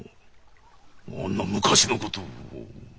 あんな昔の事を？